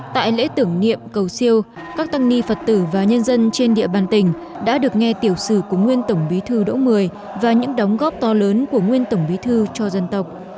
tại lễ tưởng niệm cầu siêu các tăng ni phật tử và nhân dân trên địa bàn tỉnh đã được nghe tiểu sử của nguyên tổng bí thư đỗ mười và những đóng góp to lớn của nguyên tổng bí thư cho dân tộc